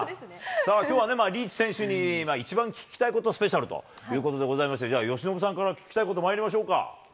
きょうはリーチ選手に一番聞きたいことスペシャルということでございまして、じゃあ、由伸さんから聞きたいこと、まいりましょうか。